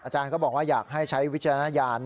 อาจารย์ก็บอกว่าอยากให้ใช้วิจารณญาณ